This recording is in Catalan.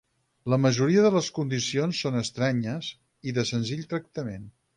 La majoria de les condicions són estranyes, i de senzill tractament.